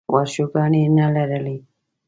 ورشوګانې یې نه لرلې.